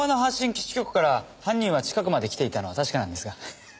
基地局から犯人は近くまで来ていたのは確かなのですが。